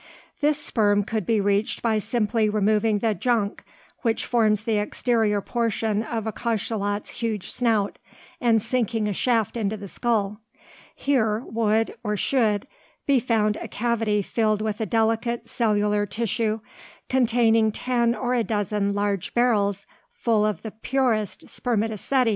This sperm could be reached by simply removing the "junk" which forms the exterior portion of a cachalot's huge snout, and sinking a shaft into the skull. Here would, or should, be found a cavity filled with a delicate cellular tissue, containing ten or a dozen large barrels full of the purest spermaceti.